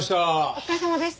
お疲れさまです。